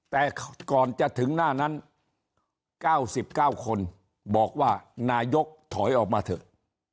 แต่ก่อนจะถึงหน้านั้น๙๙คนบอกว่านายกถอยออกมาเถอะ